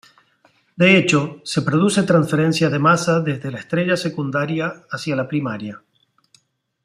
De hecho, se produce transferencia de masa desde la estrella secundaria hacia la primaria.